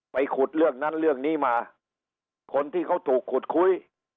ไปขุดเรื่องนั้นเรื่องนี้มาคนที่เขาถูกขุดคุย